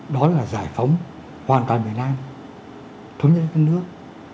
đó là giải phóng hoàn toàn việt nam thống nhất các nước